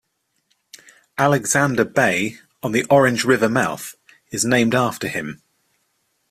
Alexander Bay on the Orange River mouth, is named after him.